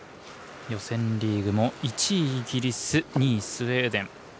予選リーグも１位、イギリス２位、スウェーデン。